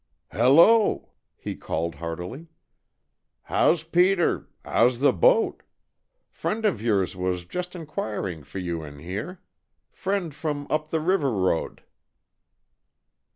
"Hello!" he called heartily. "How's Peter? How's the boat? Friend of yours was just enquiring for you in here. Friend from up the river road."